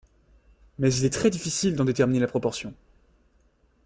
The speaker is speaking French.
Mais il est très difficile d'en déterminer la proportion.